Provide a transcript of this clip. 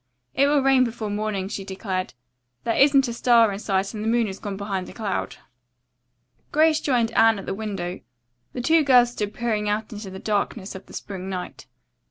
"It will rain before morning," she declared. "There isn't a star in sight and the moon has gone behind a cloud." Grace joined Anne at the window. The two girls stood peering out into the darkness of the spring night.